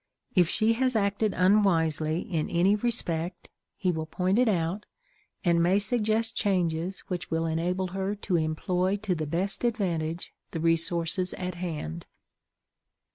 If she has acted unwisely in any respect, he will point it out, and may suggest changes which will enable her to employ to the best advantage the resources at hand.